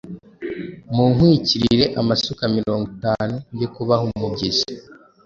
Munkwikirire amasuka mirongo itanu njye kubaha umubyizi.”